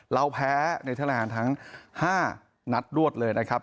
เราแพ้เนเทอร์แลนด์ทั้ง๕นัดรวดเลยนะครับ